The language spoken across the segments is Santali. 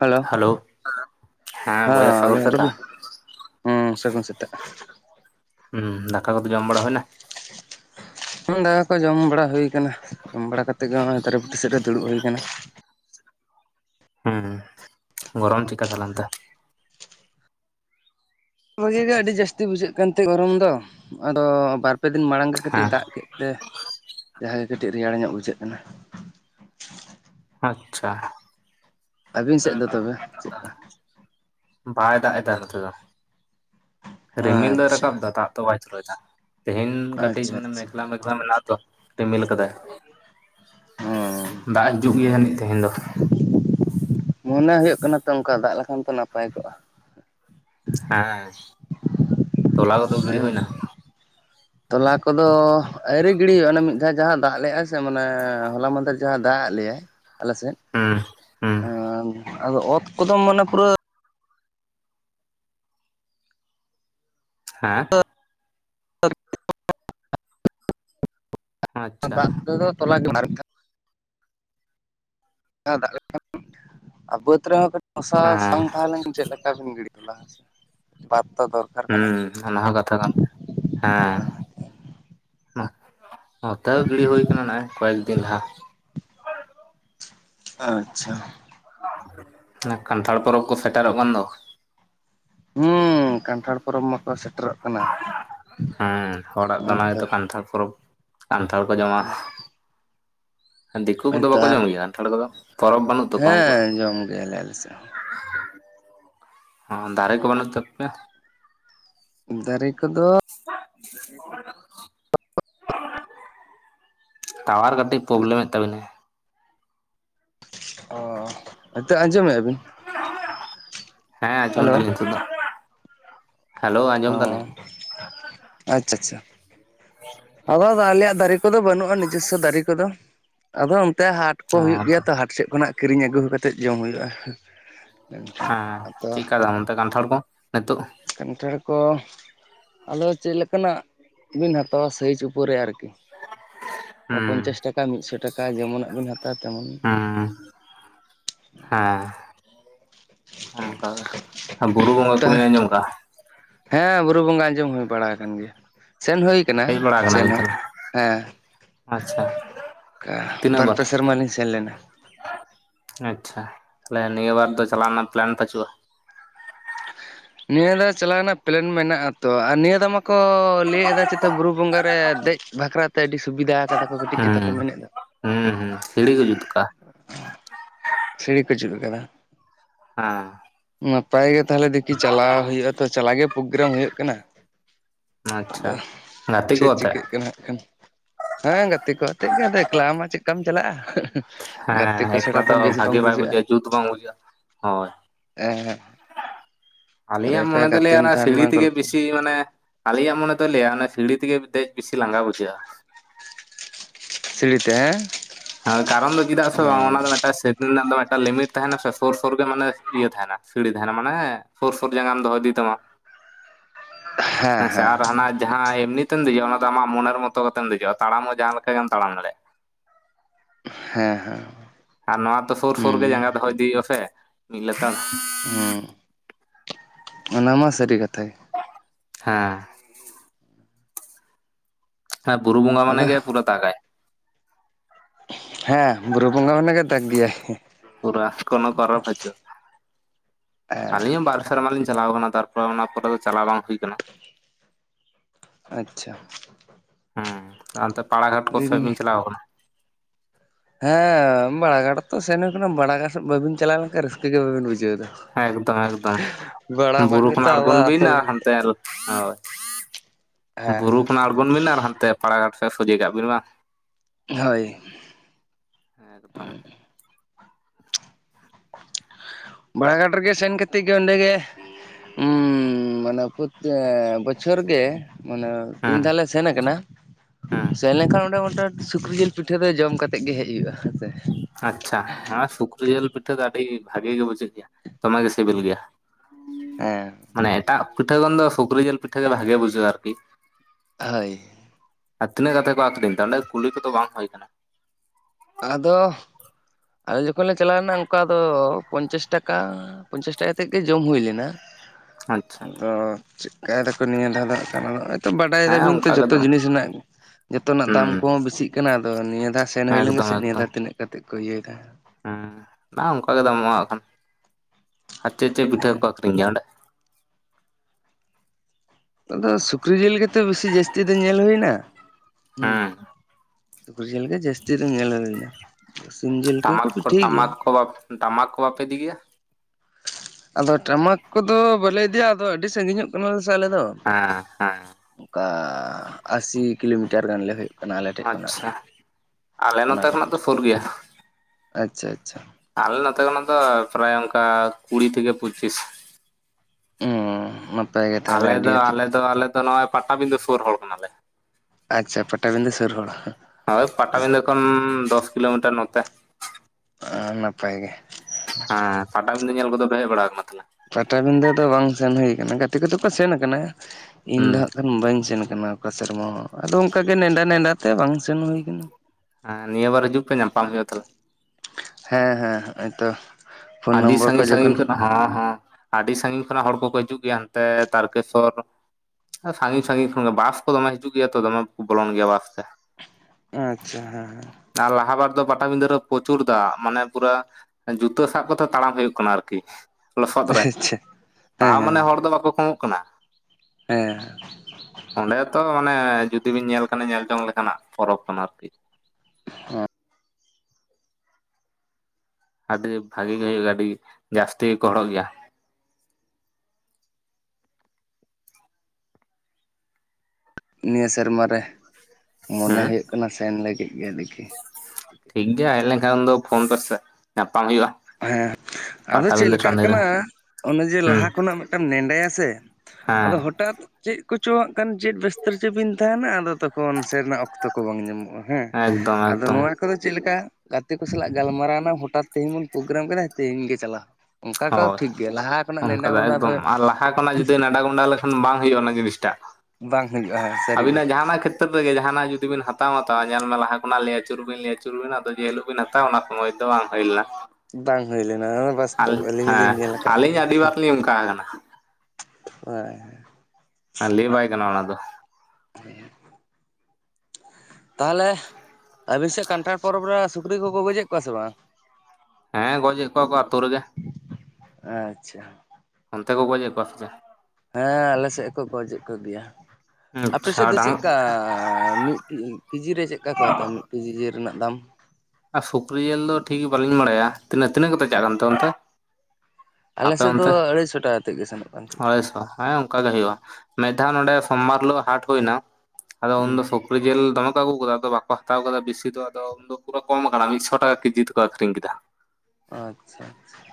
ᱦᱮᱞᱳ ᱵᱚᱭᱦᱟ ᱥᱟᱹᱜᱩᱱ ᱦᱮᱸ ᱥᱮᱛᱟᱜ [unintelligible] ᱦᱩᱸ ᱥᱟᱜᱩᱱ ᱥᱮᱛᱟᱜ ᱾ ᱩᱸᱻ ᱫᱟᱠᱟ ᱠᱚᱫᱚ ᱡᱚᱢ ᱵᱟᱲᱟ ᱦᱩᱭ ᱱᱟ? ᱫᱟᱠᱟ ᱠᱚ ᱡᱚᱢ ᱵᱟᱲᱟ ᱦᱩᱭ ᱠᱟᱱᱟ ᱡᱚᱢ ᱵᱟᱲᱟ ᱠᱟᱛᱮ ᱜᱮ ᱱᱚᱜᱼᱚᱭ ᱫᱟᱨᱮ ᱵᱩᱴᱟᱹ ᱥᱮᱫ ᱨᱮ ᱫᱩᱲᱩᱵ ᱦᱩᱭ ᱠᱟᱱᱟ ᱾ ᱩᱸ ᱜᱚᱨᱚᱢ ᱪᱮᱜ ᱠᱟ ᱛᱟᱦᱚᱞᱮ ᱚᱱᱛᱮ? ᱵᱷᱟᱹᱜᱤ ᱜᱮ ᱟᱹᱰᱤ ᱡᱟᱹᱥᱛᱤ ᱵᱩᱡᱷᱟᱹᱜ ᱠᱟᱱ ᱛᱟᱸᱦᱮᱫ ᱜᱚᱨᱚᱢ ᱫᱚ ᱟᱫᱚ ᱵᱟᱨ ᱯᱮ ᱫᱤᱱ ᱢᱟᱲᱟᱝ ᱠᱟᱹᱴᱤᱡ ᱦᱮᱸ ᱫᱟᱜ ᱠᱮᱫ ᱛᱮ ᱡᱟᱦᱟ ᱜᱮ ᱠᱟᱹᱴᱤᱡ ᱨᱮᱭᱟᱲ ᱧᱚᱜ ᱵᱩᱡᱷᱟᱹᱜ ᱠᱟᱱᱟ ᱾ ᱟᱪᱪᱷᱟ ᱾ ᱟᱹᱵᱤᱱ ᱥᱮᱫ ᱫᱚ ᱛᱚᱵᱮ ᱪᱮᱫ ᱞᱮᱠᱟ? [unintelligible] ᱵᱟᱭ ᱫᱟᱜ ᱮᱫᱟ ᱱᱚᱛᱮ ᱫᱚ [unintelligible] ᱨᱤᱢᱤᱞ ᱫᱚᱭ ᱟᱪᱪᱷᱟ ᱨᱟᱠᱟᱵ ᱮᱫᱟ ᱫᱟᱜ ᱫᱚ ᱵᱟᱭ ᱡᱚᱨᱚᱭ ᱮᱫᱟ᱾ ᱛᱮᱦᱤᱧ ᱠᱟᱹᱴᱤᱡ ᱟᱪᱪᱷᱟ ᱢᱟᱱᱮ ᱟᱪᱪᱷᱟ ᱢᱮᱜᱽᱞᱟ ᱢᱮᱜᱽᱞᱟ ᱢᱮᱱᱟᱜ ᱟᱛᱚ ᱨᱤᱢᱤᱞ ᱟᱠᱟᱫᱟᱭ ᱦᱮᱸ ᱫᱟᱜ ᱦᱤᱡᱩᱜ ᱜᱮᱭᱟ ᱡᱟᱹᱱᱤᱡ ᱛᱮᱦᱮᱧ ᱫᱚ ᱾ [unintelligible] ᱢᱚᱱᱮ ᱦᱩᱭᱩᱜ ᱠᱟᱱᱟ ᱛᱚ ᱚᱱᱠᱟ ᱫᱟᱜ ᱞᱮᱠᱷᱟᱱ ᱛᱚ ᱱᱟᱯᱟᱭ ᱠᱚᱜᱼᱟ᱾ ᱦᱮᱸ [unintelligible] ᱛᱚᱞᱟ ᱠᱚᱫᱚ ᱜᱤᱲᱤ ᱦᱩᱭᱮᱱᱟ ᱛᱚᱞᱟ ᱠᱚᱫᱚ ᱟᱹᱣᱨᱤ ᱜᱤᱲᱤ ᱦᱩᱭᱩᱜᱼᱟ᱾ ᱚᱱᱮ ᱢᱤᱫ [unintelligible] ᱡᱟᱦᱟᱸ ᱫᱟᱜ ᱞᱮᱫᱟᱭ ᱥᱮ ᱢᱟᱱᱮ ᱦᱚᱞᱟ ᱢᱟᱫᱷᱮᱨ ᱡᱟᱦᱟᱸ ᱫᱟᱜ ᱟᱫ ᱞᱮᱭᱟᱭ ᱟᱞᱮ ᱥᱮᱫ ᱦᱩᱸ ᱦᱩᱸ [unintelligible] ᱟᱫᱚ ᱚᱛ ᱠᱚᱫᱚ ᱢᱟᱱᱮ ᱯᱩᱨᱟᱹ ᱦᱮᱸ [unintelligible] ᱟᱪᱪᱷᱟ ᱫᱟᱜ ᱡᱚᱨᱚ ᱛᱚᱞᱟ ᱜᱮ [unintelligible] [unintelligible] ᱫᱟᱜ ᱞᱮᱠᱷᱟᱱ ᱵᱟᱹᱫᱽ ᱨᱮᱦᱚᱸ [unintelligible] ᱦᱮᱸ ᱵᱟᱝ ᱛᱟᱦᱮᱸ ᱞᱮᱱ ᱪᱮᱫ ᱞᱮᱠᱟ [unintelligible] ᱜᱤᱰᱤᱭᱟ ᱛᱚᱞᱟ ᱦᱮᱸᱥᱮ [unintelligible] ᱵᱟᱸᱫᱷ ᱛᱚ ᱫᱚᱨᱠᱟᱨ ᱠᱟᱱᱟ᱾ ᱦᱩᱸ ᱚᱱᱟ ᱦᱚᱸ ᱠᱟᱛᱷᱟ ᱠᱟᱱ ᱜᱮᱭᱟ᱾ ᱦᱮᱸ [unintelligible] ᱱᱚᱛᱮ ᱦᱚᱸ ᱜᱤᱲᱤ ᱦᱩᱭ ᱟᱠᱟᱱᱟ ᱱᱚᱜᱼᱚᱭ ᱠᱚᱭᱮᱠ ᱫᱤᱱ ᱞᱟᱦᱟ [unintelligible] ᱟᱪᱪᱷᱟ᱾ [unintelligible] ᱠᱟᱱᱴᱷᱟᱲ ᱯᱚᱨᱚᱵᱽ ᱠᱚ ᱥᱮᱴᱮᱨᱚᱜ ᱠᱟᱱ ᱫᱚ᱾ ᱦᱩᱸ ᱠᱟᱱᱴᱷᱟᱲ ᱯᱚᱨᱚᱵᱽ ᱢᱟᱛᱚ ᱥᱮᱴᱮᱨᱚᱜ ᱠᱟᱱᱟ ᱦᱮᱸ ᱦᱚᱲᱟᱜ ᱫᱚ ᱱᱚᱜᱼᱚᱭ ᱦᱚᱭᱛᱚ ᱛᱚ ᱠᱟᱱᱴᱷᱟᱲ ᱯᱚᱨᱚᱵᱽ ᱠᱟᱱᱴᱷᱟᱲ ᱠᱚ ᱡᱚᱢᱟ [unintelligible] ᱫᱤᱠᱩ ᱠᱚᱫᱚ ᱦᱚᱭᱛᱚ ᱵᱟᱠᱚ ᱟᱨ ᱡᱚᱢ ᱜᱮᱭᱟ ᱠᱟᱱᱴᱷᱟᱲ ᱠᱚᱫᱚ? ᱯᱚᱨᱚᱵᱽ ᱵᱟᱹᱱᱩᱜ ᱦᱮᱸ ᱡᱚᱢ ᱜᱮᱭᱟ ᱞᱮ ᱟᱞᱮ ᱥᱮᱫ ᱦᱚᱸ [unintelligible] ᱚ ᱫᱟᱨᱮ ᱠᱚ ᱵᱟᱹᱱᱩᱜ ᱛᱟᱯᱮᱭᱟ? ᱫᱟᱨᱮ ᱠᱚᱫᱚ [unintelligible] [unintelligible] ᱴᱟᱣᱟᱨ ᱠᱟᱹᱴᱤᱡ ᱯᱨᱚᱵᱞᱮᱢ ᱮᱫ ᱛᱟᱵᱤᱱᱟᱭ ᱚ [unintelligible] ᱱᱤᱛᱚᱜ ᱟᱸᱡᱚᱢᱮᱫ ᱟᱵᱤᱱ? ᱦᱮᱸ ᱟᱸᱡᱚᱢ ᱮᱫᱟᱞᱤᱧ ᱱᱤᱛᱚᱜ ᱫᱚ [unintelligible] ᱦᱮᱞᱳ ᱟᱸᱡᱚᱢ ᱮᱫᱟᱞᱤᱧ [unintelligible] ᱟᱪᱪᱷᱟ ᱟᱪᱪᱷᱟ᱾ [unintelligible] ᱟᱫᱚ ᱟᱞᱮᱭᱟᱜ ᱫᱟᱨᱮ ᱠᱚᱫᱚ ᱵᱟᱹᱱᱩᱜᱼᱟ ᱱᱤᱡᱮᱥᱥᱚ ᱫᱟᱨᱮ ᱠᱚᱫᱚ ᱟᱫᱚ ᱚᱱᱛᱮ ᱦᱟᱴ ᱠᱚ ᱦᱩᱭᱩᱜ ᱜᱮᱭᱟ ᱛᱚ ᱦᱟᱴ ᱥᱮᱫ ᱠᱷᱚᱱᱟᱜ ᱠᱤᱨᱤᱧ ᱟᱹᱜᱩ ᱠᱟᱛᱮᱫ ᱡᱚᱢ ᱦᱩᱭᱩᱜᱼᱟ᱾ ᱢᱮᱱᱠᱷᱟᱱ ᱦᱮᱸ ᱟᱫᱚ ᱪᱮᱫ ᱞᱮᱠᱟ ᱫᱟᱢ-ᱟ ᱚᱱᱛᱮ ᱠᱟᱱᱴᱷᱟᱲ ᱠᱚ ᱱᱤᱛᱚᱜ? ᱠᱟᱱᱴᱷᱟᱲ ᱠᱚ [unintelligible] ᱟᱫᱚ ᱪᱮᱫ ᱞᱮᱠᱟᱱᱟᱜ ᱵᱤᱱ ᱦᱟᱛᱟᱣᱟ ᱥᱟᱭᱤᱡ ᱩᱯᱚᱨ ᱨᱮ ᱟᱨᱠᱤ [unintelligible] ᱯᱚᱧᱪᱟᱥ ᱴᱟᱠᱟ ᱢᱤᱫ ᱥᱚ ᱴᱟᱠᱟ ᱡᱮᱢᱚᱱᱟᱜ ᱵᱮᱱ ᱦᱟᱛᱟᱣᱟ ᱛᱮᱢᱚᱱ ᱦᱩᱸ [unintelligible] ᱦᱮᱸ [unintelligible] ᱚᱱᱠᱟ ᱜᱮ [unintelligible] ᱵᱩᱨᱩ ᱵᱚᱸᱜᱟ ᱠᱚᱵᱤᱱ ᱟᱸᱡᱚᱢ ᱟᱠᱟᱫᱼᱟ? ᱦᱮᱸ ᱵᱩᱨᱩ ᱵᱚᱸᱜᱟ ᱟᱸᱡᱚᱢ ᱦᱩᱭ ᱵᱟᱲᱟ ᱟᱠᱟᱱ ᱜᱮᱭᱟ [unintelligible] ᱥᱮᱱ ᱦᱩᱭ ᱟᱠᱟᱱᱟ ᱦᱮᱡ ᱵᱟᱲᱟ ᱠᱟᱱᱟ ᱥᱮᱱ ᱵᱤᱱ ᱦᱚᱸ ᱛᱟᱦᱚᱞᱮ [unintelligible] ᱦᱮᱸ᱾ ᱟᱪᱪᱷᱟ [unintelligible] ᱚᱱᱠᱟ ᱛᱤᱱᱟᱹᱜ ᱵᱟᱨ ᱵᱟᱴ ᱯᱮ ᱥᱮᱨᱢᱟ ᱞᱤᱧ ᱥᱮᱱ ᱞᱮᱱᱟ᱾ ᱟᱪᱪᱷᱟ᱾ [unintelligible] ᱛᱟᱦᱚᱞᱮ ᱱᱤᱭᱟᱹ ᱵᱟᱨ ᱫᱚ ᱪᱟᱞᱟᱣ ᱨᱮᱱᱟᱜ ᱯᱞᱮᱱ ᱵᱟᱹᱪᱩᱜᱼᱟ? ᱱᱤᱭᱟᱹ ᱫᱷᱟᱣ ᱪᱟᱞᱟᱣ ᱨᱮᱱᱟᱜ ᱯᱞᱮᱱ ᱢᱮᱱᱟᱜ-ᱟᱺᱛᱚ ᱟᱨ ᱱᱤᱭᱟᱹ ᱫᱷᱟᱣ ᱢᱟ ᱠᱚ ᱞᱟᱹᱭ ᱮᱫᱟ ᱪᱮᱛᱟ ᱵᱩᱨᱩ ᱵᱚᱸᱜᱟ ᱨᱮ ᱫᱮᱡᱽ ᱵᱟᱠᱷᱨᱟ ᱛᱮ ᱟᱹᱰᱤ ᱥᱩᱵᱤᱫᱷᱟ ᱟᱠᱟᱫᱟ ᱠᱚ ᱠᱟᱹᱴᱤᱡ ᱪᱮᱛᱟ ᱠᱚ ᱦᱩᱸ ᱢᱮᱱᱮᱫ ᱫᱚ ᱦᱩᱸ ᱦᱩᱸ ᱥᱤᱲᱤ ᱠᱚ ᱡᱩᱛ ᱠᱟᱜᱼᱟ [unintelligible] ᱥᱤᱟᱹᱲᱤ ᱠᱚ ᱡᱩᱞ ᱟᱠᱟᱫᱟ ᱦᱮᱸ᱾ ᱱᱟᱯᱟᱭ ᱜᱮ ᱛᱟᱦᱞᱮ ᱫᱮᱠᱷᱤ ᱪᱟᱞᱟᱣ ᱦᱩᱭᱩᱜᱼᱟ ᱛᱚ ᱪᱟᱞᱟᱣ ᱜᱮ ᱯᱨᱳᱜᱨᱟᱢ ᱦᱩᱭᱩᱜ ᱠᱟᱱᱟ᱾ ᱟᱪᱪᱷᱟ ᱜᱟᱛᱮ [unintelligible] ᱠᱚ ᱪᱮᱫ ᱟᱛᱮ ᱪᱤᱠᱟᱹᱜ ᱠᱟᱱᱟ ᱦᱟᱸᱜ ᱠᱷᱟᱱ ᱦᱮᱸ ᱜᱟᱛᱮ ᱠᱚ ᱟᱛᱮᱫ ᱜᱮ ᱟᱫᱚ ᱮᱠᱞᱟ ᱢᱟ ᱪᱮᱫ ᱞᱮᱠᱟᱢ ᱪᱟᱞᱟᱜᱼᱟ᱾ ᱜᱟᱛᱮ ᱦᱮᱸ ᱠᱚ ᱮᱠᱞᱟ ᱪᱷᱟᱲᱟ ᱛᱚ ᱫᱚ ᱵᱮᱥ ᱵᱷᱟᱜᱮ ᱵᱟᱝ ᱵᱟᱭ ᱵᱩᱡᱷᱟᱹᱜᱼᱟ ᱾ ᱡᱩᱛ ᱵᱟᱝ ᱵᱩᱡᱷᱟᱹᱜᱼᱟ ᱦᱳᱭ [unintelligible] [unintelligible] ᱟᱹᱞᱤᱧᱟᱜ ᱢᱚᱱᱮ ᱫᱚ ᱞᱟᱹᱭᱟ ᱚᱱᱟ ᱛᱟᱦᱮᱱ ᱥᱤᱲᱤ ᱢᱟ ᱛᱮᱜᱮ ᱜᱚᱞᱯᱚ ᱵᱮᱥᱤ ᱢᱟᱱᱮ ᱟᱞᱮᱭᱟᱜ ᱢᱚᱱᱮ ᱫᱚ ᱞᱟᱹᱭᱟ ᱚᱱᱟ ᱥᱤᱲᱤ ᱛᱮᱜᱮ ᱫᱮᱡ ᱵᱮᱥᱤ ᱞᱟᱸᱜᱟ ᱵᱩᱡᱷᱟᱹᱜᱼᱟ ᱥᱤᱲᱤᱛᱮ ᱦᱮᱸ ᱦᱮᱸ ᱠᱟᱨᱚᱱ ᱫᱚ ᱪᱮᱫᱟᱜ ᱥᱮ ᱵᱟᱝ ᱚᱱᱟ ᱫᱚ ᱢᱤᱫᱴᱟᱜ ᱥᱮ ᱫᱟ. ᱲ ᱨᱮᱱᱟᱜ ᱫᱚ ᱢᱤᱫᱴᱟ ᱞᱤᱢᱤᱴ ᱛᱟᱦᱮᱱᱟ ᱥᱮ ᱥᱳᱨ ᱥᱳᱨ ᱢᱟᱱᱮ ᱤᱭᱟᱹ ᱛᱟᱭ ᱥᱤᱲᱤᱱᱟ ᱛᱟᱦᱮᱱᱟ ᱾ ᱥᱩᱨ ᱥᱩᱨ ᱡᱟᱸᱜᱟᱢ ᱫᱚᱦᱚ ᱤᱫᱤ ᱛᱟᱢᱟ ᱦᱮᱸ ᱦᱮᱸᱥᱮ ᱦᱮᱸ ᱟᱨ ᱦᱟᱱᱟ ᱡᱟᱦᱟᱸ ᱮᱢᱱᱤᱛᱮᱢ ᱫᱮᱡᱚᱜᱼᱟ ᱚᱱᱟ ᱫᱚ ᱟᱢᱜ ᱢᱚᱱᱮᱨ ᱢᱚᱛᱚ ᱠᱟᱛᱮᱢ ᱫᱮᱡᱚᱜᱼᱟ ᱛᱟᱲᱟᱢ ᱦᱚᱸ ᱡᱟᱦᱟᱸ ᱞᱮᱠᱟ ᱜᱮᱢ ᱛᱟᱲᱟᱢ ᱫᱟᱲᱭᱟᱜᱼᱟ ᱾ ᱦᱮᱸ ᱦᱮᱸ ᱟᱨ ᱱᱚᱣᱟ ᱛᱚ ᱥᱩᱨ ᱥᱩᱨ ᱦᱩᱸ ᱜᱮ ᱡᱟᱸᱜᱟ ᱫᱚᱦᱚ ᱤᱫᱤ ᱦᱩᱭᱩᱜᱼᱟ ᱥᱮ ᱢᱤᱫ ᱞᱮᱛᱟᱲ ᱦᱩᱸ ᱚᱱᱟ ᱢᱟ ᱥᱟᱹᱨᱤ ᱠᱟᱛᱟᱭ ᱾ ᱦᱮᱸ ᱦᱮᱸ ᱵᱩᱨᱩ ᱵᱚᱸᱜᱟ ᱢᱟᱱᱮ ᱟᱫᱚ ᱜᱮ ᱯᱩᱨᱟᱹ ᱫᱟᱜᱟᱭ ᱾ ᱦᱮᱸ ᱵᱩᱨᱩ ᱵᱚᱸᱜᱟ ᱢᱮᱱᱟᱜ ᱜᱮ ᱫᱟᱜᱽ ᱜᱮᱭᱟᱭ ᱾ ᱯᱩᱨᱟᱹ ᱠᱳᱱᱳ ᱠᱚᱨᱚᱨ ᱟᱹᱞᱤᱧ ᱦᱚᱸ ᱵᱟᱨ ᱥᱮᱨᱢᱟ ᱞᱤᱧ ᱪᱟᱞᱟᱣ ᱠᱟᱱᱟ ᱛᱟᱨᱯᱚᱨᱮ ᱚᱱᱟ ᱯᱚᱨ ᱫᱚ ᱪᱟᱞᱟᱣ ᱵᱟᱝ ᱦᱩᱭ ᱟᱠᱟᱱᱟ ᱾ ᱟᱪᱪᱷᱟ ᱦᱩᱸ ᱚᱱᱛᱮ ᱯᱟᱲᱟᱜᱷᱟᱴ ᱠᱚ ᱥᱮᱫ ᱵᱤᱱ ᱞᱟᱹᱭᱫᱟᱹᱧ ᱪᱟᱞᱟᱣ ᱟᱠᱟᱱᱟ? ᱦᱮᱸ ᱵᱟᱲᱟᱜᱷᱟᱴ ᱛᱚ ᱥᱮᱱ ᱦᱩᱭ ᱠᱟᱱᱟ ᱵᱟᱲᱟᱟᱜᱴ ᱥᱮᱫ ᱵᱟᱵᱤᱱ ᱪᱞᱟᱣ ᱞᱮᱱᱠᱷᱟᱱ ᱨᱟᱹᱠᱟᱹ ᱜᱮ ᱵᱟᱹᱵᱤᱱ ᱵᱩᱡᱷᱟᱹ ᱮᱫᱟ ᱾ ᱮᱠᱫᱚᱢ ᱮᱠᱫᱚᱢ ᱵᱩᱨᱩ ᱠᱚᱱ ᱜᱮᱛᱚ ᱢᱟᱲᱜᱚᱱ ᱟᱵᱚᱣᱟᱜ ᱟᱥᱚᱞ ᱵᱱᱟ ᱦᱮᱸ ᱦᱟᱱᱛᱮ ᱦᱳᱭ ᱵᱩᱨᱩ ᱠᱷ ᱟᱬᱜᱚᱱ ᱵᱤᱱ ᱟᱨ ᱦᱟᱱᱛᱮ ᱯᱟᱲᱟ ᱜᱷᱟᱴ ᱥᱮ ᱥᱚᱡᱮ ᱠᱟᱜ ᱵᱤᱱ ᱢᱟ ᱾ ᱦᱳᱭ ᱦᱮᱸ ᱮᱠᱫᱚᱢ ᱵᱟᱲᱟᱜᱷᱟᱴ ᱨᱮᱜᱮ ᱥᱮᱱ ᱠᱟᱛᱮᱫ ᱜᱮ ᱚᱸᱰᱮᱜᱮ ᱩᱸ ᱢᱟᱱᱮ ᱯᱩᱛ ᱵᱚᱪᱷᱚᱨ ᱜᱮ ᱢᱟᱱᱮ ᱛᱤᱱ ᱦᱮᱸ ᱫᱷᱟᱣᱞᱮ ᱥᱮᱱ ᱟᱠᱟᱱᱟ ᱦᱮᱸ ᱥᱮᱱ ᱞᱮᱱᱠᱷᱟᱱ ᱚᱸᱰᱮ ᱢᱚᱴᱟᱢᱩᱴᱤ ᱥᱩᱠᱨᱤ ᱡᱤᱞ ᱯᱤᱴᱷᱟᱹ ᱫᱚ ᱡᱚᱢ ᱠᱟᱛᱮᱫ ᱜᱮ ᱦᱮᱡ ᱦᱩᱭᱩᱜᱼᱟ ᱦᱮᱸ ᱥᱮ ᱾ ᱟᱪᱪᱷᱟ ᱦᱚᱸ ᱥᱩᱠᱨᱤ ᱡᱞ ᱯᱤᱴᱟᱹ ᱫᱚ ᱟᱹᱰᱤ ᱵᱷᱟᱜᱮ ᱜᱮ ᱵᱩᱡ ᱜᱮᱭᱟ ᱾ ᱫᱚᱢᱮᱜᱮ ᱥᱤᱵᱤᱞ ᱜᱮᱭᱟ ᱦᱮᱸ ᱢᱟᱱᱮ ᱮᱴᱟᱜ ᱯᱤᱴᱷᱟᱹ ᱠᱷᱚᱱ ᱫᱚ ᱥᱩᱠᱨᱤ ᱡᱤᱞ ᱯᱤᱴᱷᱟᱹ ᱜᱮ ᱵᱷᱟᱜᱮ ᱵᱩᱡᱷᱟᱹᱜᱼᱟ ᱟᱨᱠᱤ ᱾ ᱦᱳᱭ ᱟᱨ ᱛᱤᱱᱟᱹᱜ ᱠᱟ ᱠᱟᱛᱮ ᱠᱚ ᱟᱠᱷᱨᱤᱧᱫᱟ ᱛᱮ ᱚᱸᱰᱮ ᱠᱩᱞᱤ ᱠᱚᱫᱚ ᱵᱟᱝ ᱦᱩᱭ ᱟᱠᱟᱱᱟ? ᱟᱫᱚ ᱟᱞᱮ ᱡᱚᱠᱷᱚᱱ ᱞᱮ ᱪᱟᱞᱟᱣ ᱞᱮᱱᱟ ᱚᱱᱠᱟ ᱫᱚ ᱯᱚᱧᱪᱟᱥ ᱴᱟᱠᱟ ᱾ ᱯᱚᱧᱪᱟᱥ ᱴᱟᱠᱟᱛᱮᱫ ᱜᱮ ᱡᱚᱢ ᱦᱩᱭ ᱞᱮᱱᱟ ᱟᱪᱪᱷᱟ ᱟᱫᱚ ᱾ ᱠᱟᱭᱫᱟᱠᱚ ᱱᱤᱭᱟᱹ ᱫᱷᱟ ᱫᱚ ᱠᱟᱱᱟ ᱩᱱᱟ. ᱜ ᱵᱟᱰᱟᱭ ᱦᱮᱸ ᱫᱟᱵᱤᱱ ᱛᱚ ᱚᱱᱠᱟ ᱜᱮ ᱡᱚᱛᱚ ᱫᱟᱢ ᱡᱤᱱᱤᱥ ᱨᱮᱱᱟᱜ ᱡᱚᱛᱚᱱᱟᱜ ᱫᱟᱢ ᱦᱩᱸ ᱠᱚᱦᱚᱸ ᱵᱮᱥᱜ ᱠᱟᱱᱟ ᱟᱫᱚ ᱱᱤᱭᱟᱹ ᱫᱟᱜ ᱥᱮᱱ ᱦᱩᱭ ᱞᱮᱱ ᱜᱮ ᱾ ᱛᱤᱱᱟᱹᱜ ᱠᱟ ᱠᱟᱛᱮᱫ ᱠᱚ ᱤᱭᱟᱹᱭᱟ ᱦᱮᱸ ᱵᱟᱝ ᱚᱱᱠᱟ ᱜᱮ ᱫᱟᱢᱜᱼᱟ ᱦᱜᱠᱷᱟᱱ ᱟᱨ ᱪᱮᱫ ᱪᱮᱫ ᱯᱤᱴᱷᱟᱹ ᱦᱮᱸ ᱠᱚᱠᱚ ᱟᱠᱷᱨᱤᱧ ᱜᱮᱭᱟ ᱚᱸᱰᱮ? ᱟᱫᱚ ᱥᱩᱠᱨᱤ ᱡᱤᱞ ᱜᱮᱛᱚ ᱵᱮᱥᱤ ᱡᱟᱹᱥᱛᱤ ᱫᱚ ᱧᱮᱞ ᱦᱩᱭ ᱮᱱᱟ ᱦᱩᱸ ᱾ ᱥᱩᱠᱨᱤ ᱡᱤᱞᱜ ᱡᱟᱹᱥᱛᱤ ᱫᱚ ᱧᱮᱞ ᱾ ᱴᱟᱢᱟᱠ ᱠᱚ ᱴᱟᱢᱟᱠ ᱠᱚ ᱵᱟ ᱴᱟᱢᱟᱠ ᱠᱚ ᱵᱟᱯᱮ ᱤᱫᱤ ᱜᱮᱭᱟ ᱾ ᱟᱫᱚ ᱴᱟᱢᱟᱠ ᱠᱚᱫᱚ ᱵᱟᱞᱮ ᱤᱫᱤᱭᱟ ᱟᱫᱚ ᱟᱹᱰᱤ ᱥᱟᱺᱜᱤᱧᱚᱜ ᱠᱟᱱᱟᱞ ᱥᱮ ᱟᱞᱮ ᱫᱚ ᱾ ᱦᱮᱸ ᱦᱮᱸ ᱚᱱᱠᱟ ᱟᱥᱤ ᱠᱤᱞᱳᱢᱤᱴᱟᱨ ᱜᱟᱱᱞᱮ ᱦᱩᱭᱩᱜᱼᱟ ᱾ ᱠᱟᱱᱟ ᱟᱞᱮ ᱴᱷᱮᱡ ᱠᱷᱚᱱᱟᱜ ᱫᱚ ᱟᱪᱪᱷᱟ ᱟᱞᱮ ᱱᱚᱛᱮ ᱚᱱᱟ ᱠᱷᱚᱱᱟᱜ ᱠᱷᱟᱹᱛᱤᱨ ᱫᱚ ᱥᱩᱨ ᱜᱮᱭᱟ ᱟᱪᱪᱷᱟ ᱟᱪᱪᱷᱟ ᱾ ᱟᱞᱮ ᱱᱚᱛᱮ ᱠᱷᱚᱱᱟᱜ ᱫᱚ ᱯᱨᱟᱭ ᱚᱱᱠᱟ ᱠᱩᱲᱤ ᱛᱷᱮ. ᱠᱮ ᱯᱚᱸᱪᱤᱥ ᱾ ᱚᱸ ᱱᱟᱯᱟᱭ ᱜᱮ ᱛᱟᱦᱚᱞᱮ ᱟᱞᱮ ᱫᱚ ᱟᱹᱰᱤ ᱟᱯᱮ ᱟᱞᱮ ᱫᱚ ᱟᱞᱮ ᱫᱚ ᱱᱚᱣᱟ ᱯᱟᱴᱟ ᱵᱤᱸᱫᱟᱹ ᱥᱳᱨ ᱦᱚᱲ ᱠᱟᱱᱟ ᱞᱮ ᱾ ᱟᱪᱪᱷᱟ ᱯᱟᱴᱟ ᱵᱤᱸᱫᱟᱹ ᱥᱳᱨ ᱦᱚᱲ ᱾ ᱦᱳᱭ ᱯᱟᱴᱟᱵᱤᱱᱫᱟᱹ ᱠᱷᱚᱱ ᱫᱚᱥ ᱠᱤᱞᱳᱢᱤᱴᱟᱨ ᱱᱚᱛᱮ ᱾ ᱱᱟᱯᱟᱭ ᱜᱮ ᱦᱮᱸ ᱯᱟᱴᱟ ᱵᱤᱸᱫᱟᱹ ᱧᱮᱞ ᱠᱚᱫᱚ ᱯᱮ ᱦᱮᱡ ᱵᱟᱲᱟ ᱟᱠᱟᱱᱟ ᱛᱟᱦᱚᱞᱮ? ᱯᱟᱴᱟ ᱵᱤᱸᱫᱟᱹ ᱫᱚ ᱵᱟᱝ ᱥᱮᱱ ᱦᱩᱭ ᱟᱠᱟᱱᱟ ᱜᱟᱛᱮ ᱠᱚᱫᱚ ᱠᱚ ᱥᱮᱱ ᱟᱠᱟᱱᱟ ᱤᱧ ᱫᱚ ᱦᱩᱸ ᱦᱟᱸᱜ [unintelligible] ᱵᱟᱹᱧ ᱥᱮᱱ ᱟᱠᱟᱱᱟ ᱚᱠᱟ ᱥᱮᱨᱢᱟ ᱦᱚᱸ ᱟᱫᱚ ᱚᱱᱠᱟ ᱜᱮ ᱱᱮᱸᱰᱟ ᱱᱮᱸᱰᱟ ᱛᱮ ᱵᱟᱝ ᱥᱮᱱ ᱦᱩᱭ ᱟᱠᱟᱱᱟ ᱦᱮᱸ ᱱᱤᱭᱟᱹ ᱵᱟᱨ ᱦᱤᱡᱩᱜ ᱯᱮ ᱧᱟᱯᱟᱢ ᱦᱩᱭᱩᱜᱼᱟ ᱛᱟᱦᱚᱞᱮ ᱦᱮᱸ ᱦᱮᱸ ᱦᱚᱜᱼᱚᱭ ᱛᱚ ᱯᱷᱳᱱ ᱟᱹᱰᱤ ᱱᱚᱢᱵᱚᱨ ᱠᱚ ᱥᱟᱺᱜᱤᱧ ᱥᱟᱺᱜᱤᱧ ᱡᱚᱠᱷᱚᱱ ᱠᱷᱚᱱᱟᱜ ᱦᱚᱸ ᱦᱚᱸ ᱟᱹᱰᱤ ᱥᱟᱺᱜᱤᱧ ᱠᱷᱚᱱᱟᱜ ᱦᱚᱲ ᱠᱚᱠᱚ ᱦᱤᱡᱩᱜ ᱜᱮᱭᱟ ᱦᱟᱱᱛᱮ ᱛᱟᱨᱠᱮᱥᱚᱨ ᱥᱟᱺᱜᱤᱧ ᱥᱟᱺᱜᱤᱧ ᱠᱷᱚᱱ ᱜᱮ ᱵᱟᱥ ᱠᱚ ᱫᱚᱢᱮ ᱦᱤᱡᱩᱜ ᱜᱮᱭᱟ ᱛᱚ ᱫᱚᱢᱮ ᱵᱚᱞᱚᱱ ᱜᱮᱭᱟ ᱵᱟᱥ ᱛᱮ ᱟᱪᱪᱷᱟ ᱦᱮᱸ ᱦᱮᱸ ᱟᱨ ᱞᱟᱦᱟ ᱵᱟᱨ ᱫᱚ ᱯᱟᱴᱟ ᱵᱤᱸᱫᱟᱹ ᱨᱮ ᱯᱨᱚᱪᱩᱨ ᱫᱟᱜ ᱢᱟᱱᱮ ᱯᱩᱨᱟᱹ ᱡᱩᱛᱟᱹ ᱥᱟᱵ [unintelligible] ᱛᱚ ᱛᱟᱲᱟᱢ ᱦᱩᱭᱩᱜ ᱠᱟᱱᱟ ᱟᱨ ᱠᱤ ᱞᱚᱥᱚᱫ ᱦᱮᱸ ᱨᱮ ᱟᱪᱪᱷᱟ ᱦᱮᱸ ᱛᱟᱣ ᱢᱟᱱᱮ ᱦᱚᱲ ᱫᱚ ᱵᱟᱠᱚ ᱠᱚᱢᱚᱜ ᱠᱟᱱᱟ ᱦᱮᱸ ᱚᱸᱰᱮ ᱛᱚ ᱢᱟᱱᱮ ᱡᱚᱫᱤ ᱵᱤᱱ ᱧᱮᱞ ᱠᱟᱱᱮ ᱧᱮᱞ ᱡᱚᱝ ᱞᱮᱠᱟᱱᱟᱜ ᱯᱚᱨᱚᱵᱽ ᱠᱟᱱᱟ ᱟᱨ ᱠᱤ [inaudible] ᱟᱹᱰᱤ ᱵᱷᱟᱜᱤ ᱜᱮ ᱦᱳᱭᱳᱜ ᱜᱮᱭᱟ ᱟᱹᱰᱤ ᱡᱟᱥᱛᱤ ᱜᱮ ᱠᱚ ᱦᱚᱲ-ᱚᱜ ᱜᱮᱭᱟ ᱱᱤᱭᱟᱹ ᱥᱮᱨᱢᱟ ᱨᱮ ᱢᱚᱱᱮ ᱦᱮᱸ ᱦᱩᱭᱩᱜ ᱠᱟᱱᱟ ᱥᱮᱱ ᱞᱟᱹᱜᱤᱫ ᱜᱮ ᱫᱮᱠᱷᱤ ᱴᱷᱤᱠ ᱜᱮᱭᱟ ᱦᱮᱡ ᱞᱮᱱᱠᱷᱟᱱ ᱫᱚ ᱯᱷᱳᱱ ᱯᱮᱥᱮ ᱧᱟᱯᱟᱢ ᱦᱩᱭᱩᱜᱼᱟ ᱦᱮᱸ ᱟᱫᱚ ᱪᱮᱫ ᱯᱟᱴᱟᱵᱤᱸᱫᱟᱹ ᱞᱮᱠᱟᱜ ᱴᱟᱺᱰᱤ ᱨᱮ ᱠᱟᱱᱟ ᱚᱱᱮ ᱡᱮ ᱦᱩᱸ ᱞᱟᱦᱟ ᱠᱷᱚᱱᱟᱜ ᱢᱤᱫᱴᱟᱝ ᱱᱮᱰᱟᱭ ᱭᱟ ᱥᱮ ᱦᱮᱸ ᱟᱫᱚ ᱦᱚᱴᱟᱛ ᱪᱮᱫ ᱠᱚᱪᱚ ᱦᱟᱸᱜ ᱠᱷᱟᱱ ᱪᱮᱫ ᱵᱮᱥᱛᱚ ᱨᱮᱪᱚ ᱵᱤᱱ ᱛᱟᱦᱮᱱᱟ ᱟᱫᱚ ᱛᱚᱠᱷᱚᱱ ᱥᱮᱱ ᱨᱮᱱᱟᱜ ᱚᱠᱛᱚ ᱠᱚ ᱵᱟᱝ ᱧᱟᱢᱚᱜᱼᱟ ᱦᱮᱸ ᱮᱠᱫᱚᱢ ᱟᱫᱚ ᱮᱠᱫᱚᱢ [unintelligible] ᱠᱚᱫᱚ ᱪᱮᱫ ᱞᱮᱠᱟ ᱜᱟᱛᱮ ᱠᱚ ᱥᱟᱞᱟᱜ ᱜᱟᱞᱢᱟᱨᱟᱣ ᱮᱱᱟᱢ ᱦᱚᱴᱟᱛ ᱛᱮᱦᱮᱧ ᱵᱚᱱ ᱯᱨᱳᱜᱨᱟᱢ ᱠᱮᱫᱟ ᱛᱮᱦᱮᱧ ᱜᱮ ᱪᱟᱞᱟᱣ ᱚᱱᱠᱟ ᱠᱚ ᱦᱳᱭ ᱴᱷᱤᱠ ᱜᱮᱭᱟ ᱞᱟᱦᱟ ᱠᱷᱚᱱᱟᱜ ᱱᱮᱸᱰᱟ ᱜᱚᱸᱰᱟ ᱫᱚ ᱚᱱᱟ ᱞᱮᱠᱷᱟᱱ ᱵᱟᱝ ᱦᱩᱭᱩᱜᱼᱟ ᱚᱱᱟ ᱡᱤᱱᱤᱥ ᱴᱟᱜ ᱵᱟᱝ ᱦᱩᱭᱩᱜᱼᱟ ᱥᱟᱹᱨᱤᱜᱮ ᱟᱵᱤᱱᱟᱜ ᱡᱟᱦᱟᱱᱟᱜ- [unintelligible] ᱡᱟᱦᱟᱱᱟᱜ ᱡᱩᱫᱤ ᱵᱤᱱ ᱦᱟᱛᱟᱣ ᱢᱟᱛᱟᱣᱟ ᱧᱮᱞ ᱢᱮ ᱞᱟᱦᱟ ᱠᱷᱚᱱᱟᱜ ᱞᱟᱹᱭ ᱟ. ᱪᱩᱨ ᱵᱤᱱ ᱞᱟᱹᱭ ᱟᱹᱪᱩᱨ ᱵᱤᱱ ᱟᱫᱚ ᱡᱮᱹ ᱦᱮᱞᱳᱜ [unintelligible] ᱵᱮᱱ ᱦᱟᱛᱚᱣ ᱚᱱᱟ ᱥᱚᱢᱭ ᱫᱚ ᱵᱟᱝ ᱦᱩᱭ ᱞᱮᱱᱟ ᱵᱟᱝ ᱦᱩᱭ ᱞᱮᱱᱟ ᱚᱱᱟ ᱟᱞ ᱵᱟᱥᱛᱚᱵ ᱟᱹᱞᱤᱧ ᱦᱚᱸᱞᱤᱧ ᱦᱮᱸ ᱧᱮᱞ ᱠᱟᱜ ᱟᱹᱞᱤᱧ ᱜᱮᱭᱟ ᱟᱹᱰᱤ ᱵᱟᱨ ᱞᱤᱧ ᱚᱱᱠᱟ ᱟᱠᱟᱱᱟ [inaudible] ᱦᱳᱭ ᱟ ᱞᱟᱹᱭ ᱵᱟᱭ ᱜᱟᱱᱚᱜ-ᱟ ᱚᱱᱟ ᱫᱚ [inaudible] ᱛᱟᱦᱞᱮ ᱟᱹᱵᱤᱱ ᱥᱮᱫ ᱠᱟᱱᱴᱷᱟᱲ ᱯᱚᱨᱚᱵᱽ ᱨᱮ ᱥᱩᱠᱨᱤ ᱠᱚᱠᱚ ᱜᱚᱡᱽ ᱮᱫ ᱠᱚᱣᱟ ᱥᱮ ᱵᱟᱝ ᱦᱮᱸ ᱜᱚᱡᱽ ᱮᱫ ᱠᱚᱣᱟ ᱠᱚ ᱟᱛᱳ ᱨᱮᱜᱮ ᱟᱪᱪᱷᱟ ᱚᱱᱛᱮ ᱠᱚ ᱜᱚᱡᱽ ᱮᱫ ᱠᱚᱣᱟ ᱥᱮ ᱪᱮᱫ? ᱦᱮᱸ ᱟᱞᱮ ᱥᱮᱫ ᱠᱚ ᱜᱚᱡ ᱮᱫ ᱠᱚᱜᱮᱭᱟ ᱟᱯᱮ ᱟᱪᱪᱷᱟ ᱥᱮᱫ ᱫᱚ ᱰᱟᱝ ᱪᱮᱫ ᱠᱟ ᱢᱤᱫ [unintelligible] ᱠᱮᱡᱤ ᱨᱮ ᱪᱮᱫ ᱠᱟ ᱠᱚ ᱦᱟᱛᱟᱣᱟ ᱢᱤᱫ ᱠᱮᱡᱤ ᱡᱤᱞ ᱨᱮᱱᱟᱜ ᱫᱟᱢ ᱟᱨ ᱥᱩᱠᱨᱤ ᱡᱤᱞ ᱫᱚ ᱴᱷᱤᱠ ᱵᱟᱹᱞᱤᱧ ᱵᱟᱲᱟᱭᱟ ᱛᱤᱱᱟᱹᱜ ᱛᱤᱱᱟᱹᱜ ᱠᱟᱛᱮ ᱪᱟᱜ ᱠᱟᱱ ᱛᱮ ᱚᱱᱛᱮ? ᱟᱞᱮ ᱟᱯᱮ ᱥᱮᱫ ᱫᱚ ᱚᱱᱛᱮ ᱟᱹᱲᱟᱹᱭ ᱥᱚ ᱴᱟᱠᱟ ᱠᱟᱛᱮᱫ ᱜᱮ ᱥᱮᱱᱚᱜ ᱠᱟᱱ ᱛᱟᱦᱮᱸᱫ ᱟᱲᱟᱭᱥᱚ ᱦᱮᱸ ᱚᱱᱠᱟ ᱜᱮ ᱦᱩᱸ ᱦᱳᱭᱳᱜᱼᱟ ᱢᱤᱫ ᱫᱷᱟᱣ ᱱᱚᱰᱮ ᱥᱚᱢᱵᱟᱨ ᱦᱤᱞᱳᱜ ᱦᱟᱴ ᱦᱩᱭ ᱮᱱᱟ ᱟᱫᱚ ᱩᱱ ᱦᱩᱸ ᱫᱚ ᱥᱩᱠᱨᱤ ᱡᱤᱞ ᱫᱚᱢᱮ ᱠᱚ ᱟᱹᱜᱩ ᱟᱠᱟᱫᱟ ᱟᱫᱚ ᱵᱟᱠᱚ ᱦᱟᱛᱟᱣ ᱠᱟᱫᱟ ᱵᱮᱥᱤ ᱫᱚ ᱟᱫᱚ ᱩᱱ ᱫᱚ ᱯᱩᱨᱟᱹ ᱠᱚᱢ ᱟᱠᱟᱱᱟ ᱢᱤᱫᱥᱚ ᱴᱟᱠᱟ ᱠᱮᱡᱤ ᱛᱮᱠᱚ ᱟᱠᱷᱨᱤᱧ ᱠᱮᱫᱟ ᱟᱪᱪᱷᱟ ᱟᱪᱪᱷᱟ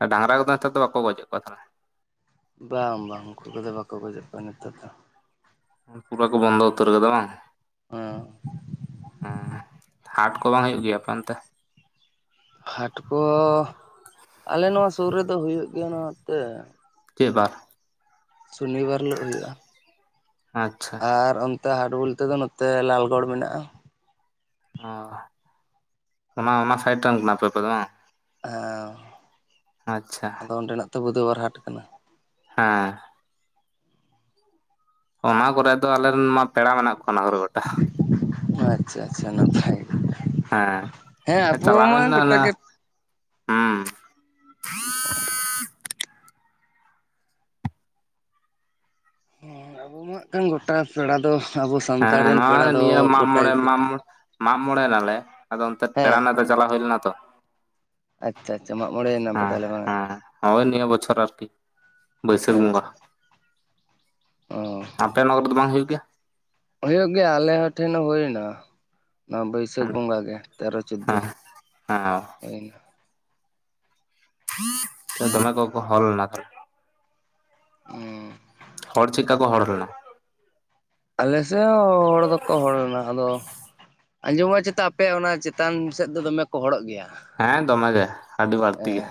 ᱟᱨ ᱰᱟᱝᱨᱟ ᱠᱚᱫᱚ ᱱᱮᱛᱟᱨ ᱫᱚ ᱵᱟᱠᱚ ᱜᱚᱡ ᱮᱫ ᱠᱚᱣᱟ ᱛᱟᱦᱞᱮ ᱵᱟᱝ ᱵᱟᱝ ᱩᱱᱠᱩ ᱠᱚᱫᱚ ᱵᱟᱠᱚ ᱜᱚᱡᱮᱫ ᱠᱚᱣᱟ ᱱᱤᱛᱚᱜ ᱫᱚ ᱯᱩᱨᱟᱹ ᱠᱚ ᱵᱚᱱᱫᱚ ᱩᱛᱟᱹᱨ ᱠᱟᱫᱟ ᱵᱟᱝ ᱦᱮᱸ ᱦᱸ ᱦᱟᱴ ᱠᱚ ᱵᱟᱝ ᱦᱩᱭᱩᱜ ᱜᱮᱭᱟ ᱟᱯᱮ ᱚᱱᱛᱮ? ᱦᱟᱴ ᱠᱚ ᱟᱞᱮ ᱱᱚᱣᱟ ᱥᱩᱨ ᱨᱮᱫᱚ ᱦᱩᱭᱩᱜ ᱜᱮᱭᱟ ᱱᱟ ᱛᱮ ᱪᱮᱫ ᱵᱟᱨ ᱥᱚᱱᱤᱵᱟᱨ ᱦᱤᱞᱳᱜ ᱦᱩᱭᱩᱜᱼᱟ ᱟᱪᱪᱷᱟ ᱟᱨ ᱚᱱ- ᱱᱚᱛᱮ ᱦᱟᱴ ᱵᱚᱞᱛᱮ ᱫᱚ ᱱᱚᱛᱮ ᱞᱟᱞᱜᱚᱲ ᱢᱮᱱᱟᱜᱼᱟ ᱚ ᱚᱱᱟ ᱚᱱᱟ ᱥᱟᱭᱤᱴ ᱨᱮᱱ ᱠᱟᱱᱟᱯᱮ ᱟᱯᱮ ᱫᱚ ᱵᱟᱝ ᱦᱮᱸ ᱟᱪᱪᱷᱟ ᱟᱫᱚ ᱚᱸᱰᱮᱱᱟᱜ ᱛᱚ ᱵᱩᱫᱷᱚᱵᱟᱨ ᱦᱟᱴ ᱠᱟᱱᱟ᱾ ᱦᱮᱸ᱾ ᱚᱱᱟ ᱠᱚᱨᱮ ᱫᱚ ᱟᱞᱮᱨᱮᱱ ᱢᱟ ᱯᱮᱲᱟ ᱢᱮᱱᱟᱜ ᱠᱚᱣᱟ ᱚᱱᱟ ᱠᱚᱨᱮ ᱜᱚᱴᱟ᱾ ᱟᱪᱪᱷᱟ ᱟᱪᱪᱷᱟ, ᱱᱟᱯᱟᱭ ᱠᱟᱛᱷᱟ, ᱦᱮᱸ ᱦᱮᱸ ᱟᱵᱚ ᱪᱟᱞᱟᱣ ᱢᱟ ᱦᱩᱭ ᱞᱮᱱᱟ ᱜᱚᱴᱟ ᱚᱱᱟ ᱜᱮ ᱦᱩᱸ᱾ [inaudible] ᱟᱵᱚ ᱢᱟ ᱦᱟᱜ ᱠᱷᱟᱱ ᱜᱚᱴᱟ ᱯᱮᱲᱟ ᱫᱚ᱾ ᱟᱵᱚ ᱥᱟᱱᱛᱟᱲ ᱦᱮᱸ ᱨᱮᱱ ᱯᱮᱲᱟ ᱱᱚᱜᱚᱭ ᱫᱚ ᱱᱤᱭᱟᱹ ᱢᱟᱜ ᱜᱚᱴᱟ ᱢᱚᱬᱮ ᱜᱮᱠᱚ ᱢᱟᱜ ᱢᱚᱬᱮᱭ ᱱᱟᱞᱮ ᱟᱫᱚ ᱚᱱᱛᱮ ᱦᱮᱸ ᱯᱮᱲᱟᱱᱟᱜ ᱫᱚ ᱪᱟᱞᱟ ᱦᱳᱭ ᱞᱮᱱᱟ ᱛᱚ᱾ ᱟᱪᱪᱷᱟ ᱟᱪᱪᱷᱟ ᱢᱟᱜ ᱢᱚᱬᱮᱭᱮᱱᱟ ᱯᱮ ᱦᱮᱸ ᱛᱟᱦᱚᱞᱮ ᱵᱟᱝ ᱦᱮᱸ ᱦᱳᱭ ᱱᱤᱭᱟᱹ ᱵᱚᱪᱷᱚᱨ ᱟᱨᱠᱤ, ᱵᱟᱹᱭᱥᱟᱹᱠᱷ ᱵᱚᱸᱜᱟ᱾ ᱚᱻ ᱟᱯᱮ ᱱᱚᱣᱟ ᱠᱚᱨᱮᱫᱚ ᱵᱟᱝ ᱦᱩᱭᱩᱜ ᱜᱮᱭᱟ? ᱦᱩᱭᱩᱜ ᱜᱮᱭᱟ ᱟᱞᱮ ᱦᱚ ᱴᱷᱮᱱ ᱦᱚ ᱦᱳᱭᱱᱟ᱾ ᱱᱚᱣᱟ ᱵᱟᱹᱭᱥᱟᱹᱠᱷ ᱦᱮᱸ ᱵᱚᱸᱜᱟ ᱜᱮ ᱛᱮᱨᱚ ᱪᱳᱫᱽᱫᱳ ᱦᱮᱸ ᱦᱩᱭᱱᱟ᱾ ᱫᱚᱢᱮ ᱠᱚ ᱠᱚ ᱦᱚᱲ ᱞᱮᱱᱟ ᱛᱟᱦᱚᱞᱮ? ᱦᱩᱸ ᱦᱚᱲ ᱪᱮᱜ ᱠᱟᱠᱚ ᱦᱚᱲ ᱞᱮᱱᱟ? ᱟᱞᱮᱥᱮᱜ ᱦᱚ ᱦᱚᱲ ᱫᱚᱠᱚ ᱦᱚᱲ ᱞᱮᱱᱟ᱾ ᱟᱫᱚ ᱟᱸᱡᱚᱢᱚᱜᱼᱟ ᱪᱮᱛᱟ ᱟᱯᱮ ᱚᱱᱟ ᱪᱮᱛᱟᱱ ᱥᱮᱜ ᱫᱚ ᱫᱚᱢᱮ ᱠᱚ ᱦᱚᱲᱚᱜ ᱜᱮᱭᱟ᱾ ᱦᱮᱸ ᱫᱚᱢᱮ ᱜᱮ, ᱟᱹᱰᱤ ᱵᱟᱹᱲᱛᱤ ᱦᱮᱸ ᱜᱮ,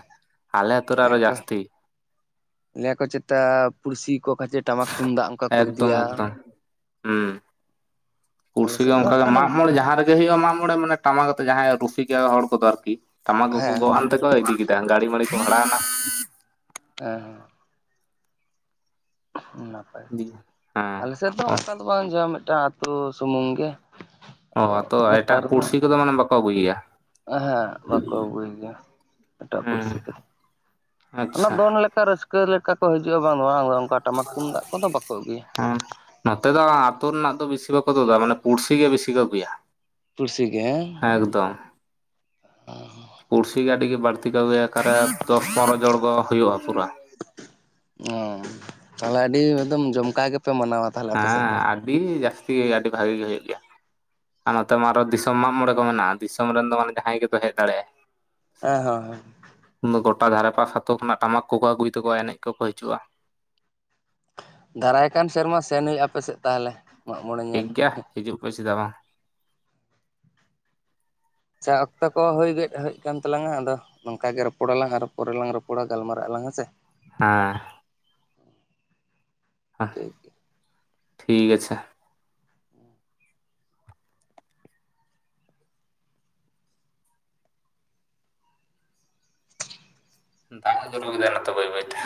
ᱟᱞᱮ ᱟᱹᱛᱳ ᱨᱮ ᱦᱮᱸ ᱟᱨᱚ ᱠᱚ ᱡᱟᱹᱥᱛᱤ᱾ ᱞᱟᱹᱭᱟ ᱠᱚ ᱪᱮᱛᱟ ᱯᱩᱲᱥᱤ ᱠᱚ ᱠᱷᱟᱪᱮ ᱴᱟᱢᱟᱠ ᱛᱩᱢᱫᱟᱜ ᱚᱱᱠᱟ ᱠᱚ ᱮᱠᱫᱚᱢ ᱤᱫᱤᱭᱟ᱾ ᱮᱠᱫᱚᱢ ᱟᱞᱮ ᱠᱩᱲᱥᱤ ᱜᱮ ᱥᱮᱫ ᱫᱚ ᱚᱱᱠᱟ ᱦᱟᱸᱜ ᱜᱮ ᱠᱷᱟᱱ ᱢᱟᱜᱽ ᱢᱚᱬᱮ ᱡᱟᱦᱟᱸ ᱨᱮᱜᱮ, ᱜᱮ ᱦᱩᱭᱩᱜᱼᱟ, ᱢᱟᱜᱽ ᱢᱚᱬᱮ ᱢᱟᱱᱮ ᱴᱟᱢᱟᱠ ᱟᱛᱮ ᱡᱟᱦᱟᱸᱭ ᱨᱩᱥᱤᱠᱟ ᱦᱚᱲ ᱠᱚᱫᱚ ᱟᱨᱠᱤ ᱴᱟᱢᱟᱠ ᱠᱚᱠᱚ ᱦᱮᱸ ᱜᱚᱜ ᱟᱱ ᱛᱮᱠᱚ ᱤᱫᱤ ᱠᱮᱫᱟ ᱜᱟᱹᱲᱤ ᱢᱟᱹᱲᱤ ᱠᱚ ᱵᱷᱟᱲᱟᱣᱱᱟ, ᱮᱸᱻ ᱱᱟᱯᱟᱭ ᱜᱮ, ᱦᱮᱸ ᱟᱞᱮ ᱥᱮᱜ ᱫᱚ ᱚᱱᱠᱟ ᱫᱚ ᱵᱟᱝ, ᱡᱟᱦᱟ ᱢᱤᱫᱴᱟᱝ ᱟᱹᱛᱩᱳ ᱥᱩᱢᱩᱝ ᱜᱮ᱾ ᱚᱻ ᱟᱫᱚ ᱟᱛᱳ ᱮᱴᱟᱜ ᱯᱩᱲᱥᱤ ᱠᱚᱫᱚ ᱢᱟᱱᱮ ᱵᱟᱠᱚ ᱟᱹᱜᱩᱭ ᱜᱮᱭᱟ? ᱮᱸ ᱦᱮᱸᱜ ᱵᱟᱠᱚ ᱟᱹᱜᱩᱭ ᱜᱮᱭᱟ ᱮᱴᱟᱜ ᱯᱩᱲᱥᱤ ᱦᱮᱸ ᱠᱚᱫᱚ᱾ ᱚᱱᱟ ᱟᱪᱪᱷᱟ ᱫᱚᱱ ᱡᱟᱦᱟᱸ ᱞᱮᱠᱟ ᱨᱟᱹᱥᱠᱟᱹ ᱞᱮᱠᱟ ᱠᱚ ᱦᱤᱡᱩᱜᱼᱟ᱾ ᱵᱟᱝ ᱫᱚ ᱵᱟᱝ, ᱟᱫᱚ ᱚᱱᱠᱟ ᱴᱟᱢᱟᱠ ᱛᱩᱢᱫᱟᱜ ᱠᱚᱫᱚ ᱵᱟᱠᱚ ᱟᱹᱜᱩᱭᱟ᱾ ᱦᱮᱸ ᱱᱚᱛᱮ ᱫᱚ ᱟᱹᱛᱳ ᱨᱮᱱᱟᱜ ᱫᱚ ᱵᱤᱥᱤ ᱵᱟᱠᱚ ᱛᱳᱫᱟ ᱢᱟᱱᱮ ᱯᱩᱲᱥᱤ ᱜᱮ ᱵᱤᱥᱤ ᱠᱚ ᱟᱹᱜᱩᱭᱟ᱾ ᱯᱩᱲᱥᱤ ᱜᱮ, ᱦᱟᱸᱝ? ᱦᱮᱸ ᱮᱠᱫᱚᱢ᱾ [unintelligible] ᱯᱩᱲᱥᱤ ᱜᱮ ᱟᱹᱰᱤ ᱜᱮ ᱵᱟᱹᱲᱛᱤ ᱠᱚ ᱟᱹᱜᱩᱭᱟ᱾ ᱚᱠᱟᱨᱮ ᱫᱚᱥ ᱯᱚᱱᱨᱚ ᱡᱚᱲ ᱜᱚ ᱦᱩᱭᱩᱜᱼᱟ ᱯᱩᱨᱟ᱾ ᱚ ᱛᱟᱦᱚᱞᱮ ᱟᱹᱰᱤ ᱮᱠᱫᱚᱢ ᱡᱚᱢᱠᱟᱣ ᱜᱮᱯᱮ ᱢᱟᱱᱟᱣᱟ? ᱛᱟᱦᱚᱞᱮ ᱟᱯᱮ ᱥᱮᱫ ᱦᱮᱸ ᱫᱚ ᱟᱹᱰᱤ ᱡᱟᱹᱥᱛᱤ ᱜᱮ ᱟᱹᱰᱤ ᱵᱷᱟᱜᱤ ᱜᱮ ᱦᱩᱭᱩᱜ ᱜᱮᱭᱟ᱾ ᱟᱨ ᱱᱚᱛᱮ ᱢᱟ ᱟᱨᱚ ᱫᱤᱥᱚᱢ ᱢᱟᱜᱽ ᱢᱚᱬᱮ ᱠᱚ ᱢᱮᱱᱟᱜᱼᱟ᱾ ᱫᱤᱥᱚᱢ ᱨᱮᱱ ᱫᱚ ᱢᱟᱱᱮ ᱡᱟᱦᱟᱸᱭ ᱜᱮᱠᱚ ᱦᱮᱡ ᱫᱟᱲᱮᱭᱟᱜᱼᱟ᱾ ᱮᱸ ᱦᱚᱸ ᱦᱮᱸ᱾ ᱩᱱ ᱫᱚ ᱜᱚᱴᱟ ᱫᱷᱟᱨᱮ ᱯᱟᱥ ᱟᱛᱳ ᱠᱷᱱᱟᱜ ᱴᱟᱢᱟᱠ ᱠᱚᱠᱚ ᱟᱹᱜᱩᱭ ᱛᱟᱠᱚᱣᱟ ᱮᱱᱮᱡ ᱠᱚᱠᱚ ᱦᱤᱡᱩᱜᱼᱟ᱾ ᱫᱟᱨᱟᱭ ᱠᱟᱱ ᱥᱮᱨᱢᱟ ᱥᱮᱱ ᱦᱩᱭᱩᱜᱼᱟ, ᱟᱯᱮ ᱥᱮᱜ ᱛᱟᱦᱚᱞᱮ᱾ ᱢᱟᱜ ᱢᱚᱬᱮ ᱴᱷᱤᱠ ᱧᱮᱞ ᱜᱮᱭᱟ ᱦᱤᱡᱩᱜ ᱯᱮ ᱪᱮᱫᱟᱜ ᱵᱟᱝ? ᱟᱪᱪᱷᱟ ᱚᱠᱛᱚ ᱠᱚ ᱦᱩᱭ ᱜᱮᱫ ᱦᱩᱭᱩᱜ ᱟᱠᱟᱱ ᱛᱟᱞᱟᱝᱟ ᱟᱫᱚ, ᱱᱚᱝᱠᱟ ᱜᱮ ᱨᱚᱯᱚᱲᱟᱞᱟᱝ ᱟᱨ ᱯᱚᱨᱮ ᱞᱟᱝ ᱨᱚᱯᱚᱲᱟ ᱜᱟᱞᱢᱟᱨᱟᱜᱼᱟᱞᱟᱝ ᱦᱮ ᱥᱮ? ᱦᱟᱸ᱾ ᱦᱮ ᱴᱷᱤᱠ ᱴᱷᱤᱠ ᱟᱪᱷᱮ᱾ ᱫᱟᱜ ᱧᱩᱨᱩᱭ ᱫᱟᱜ ᱱᱚᱛᱮ ᱵᱟᱹᱭ ᱵᱟ. ᱭ ᱛᱮ᱾